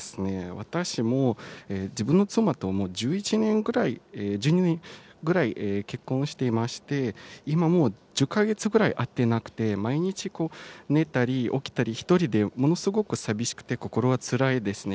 私も自分の妻ともう１１年ぐらい、１２年ぐらい結婚していまして、今もう１０か月ぐらい会っていなくて、毎日寝たり、起きたり、１人でものすごく寂しくて、心がつらいですね。